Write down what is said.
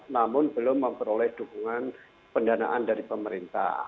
namun belum memperoleh dukungan pendanaan dari pemerintah